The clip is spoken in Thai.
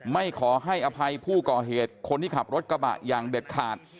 ไม่ขอให้อภัยผู้ก่อเหตุคนที่ขับรถกระบะอย่างเด็ดขาด